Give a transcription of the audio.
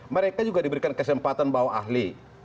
mereka juga diberikan kesempatan bawa ahli